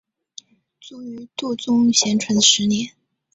卒于度宗咸淳十年。